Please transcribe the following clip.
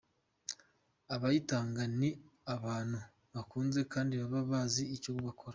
Abayitanga ni abantu bakuze kandi baba bazi icyo bakora.